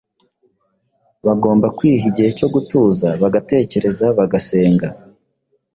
Bagomba kwiha igihe cyo gutuza bagatekereza, bagasenga